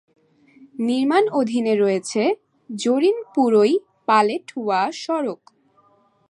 নির্মাণ অধীনে রয়েছে জোরিনপুরই-পালেটওয়া সড়ক।